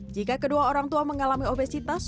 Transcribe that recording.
jika kedua orang tua mengalami obesitas